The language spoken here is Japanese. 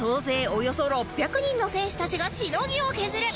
およそ６００人の選手たちがしのぎを削る！